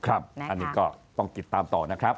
อันนี้ก็ต้องติดตามต่อนะครับ